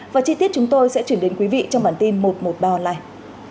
và chi tiết chúng tôi sẽ chuyển đến quý vị trong bản tin một trăm một mươi ba online